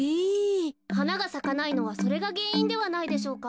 はながさかないのはそれがげんいんではないでしょうか。